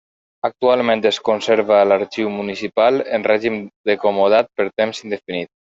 Actualment, es conserva a l'Arxiu Municipal, en règim de comodat per temps indefinit.